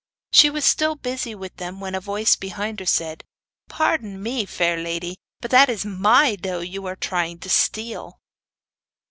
She was still busy with them when a voice behind her said: 'Pardon me, fair lady, but it is MY doe you are trying to steal!